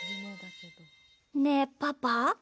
ねえ、パパ。